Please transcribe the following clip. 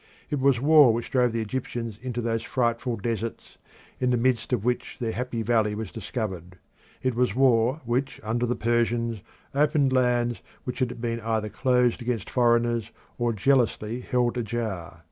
It was war which drove the Egyptians into those frightful deserts in the midst of which their Happy Valley was discovered. It was war which under the Persians opened lands which had been either closed against foreigners or jealously held ajar.